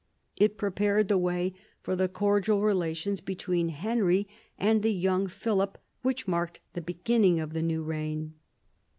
It prepared the way for the cordial relations between Henry and the young Philip which marked the beginning of the new reign.